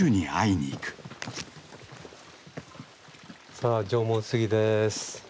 さあ縄文杉です。